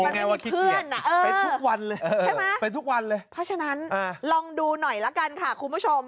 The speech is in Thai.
มันไม่มีเพื่อนอะเออใช่ไหมเพราะฉะนั้นลองดูหน่อยละกันค่ะคุณผู้ชม